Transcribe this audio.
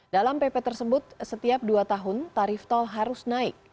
dalam pp tersebut setiap dua tahun tarif tol harus naik